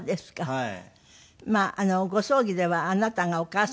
はい。